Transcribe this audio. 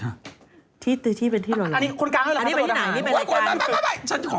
ที่เป็นที่เราอยู่อันนี้เป็นที่ไหนอันนี้เป็นรายการ